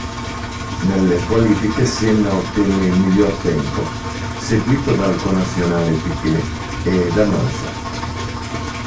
Nelle qualifiche Senna ottenne il miglior tempo, seguito dal connazionale Piquet e da Mansell.